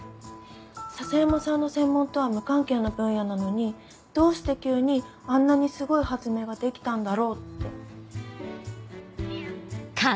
篠山さんの専門とは無関係の分野なのにどうして急にあんなにすごい発明ができたんだろうって。